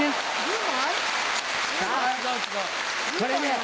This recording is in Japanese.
これね